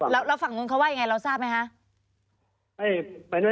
แล้วฝั่งนู้นเขาว่ายังไงเราทราบไหมคะ